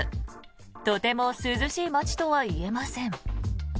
とても涼しい街とは言えません。